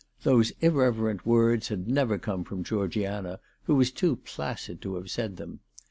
Those irreverent words had never come from Georgiana, who was too placid to have said them.